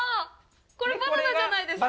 これ、バナナじゃないですか？